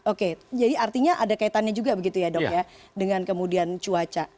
oke jadi artinya ada kaitannya juga begitu ya dok ya dengan kemudian cuaca